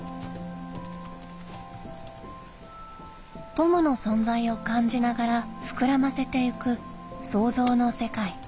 トムの存在を感じながら膨らませていく創造の世界。